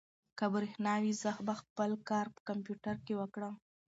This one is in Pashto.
که برېښنا وي، زه به خپل کار په کمپیوټر کې وکړم.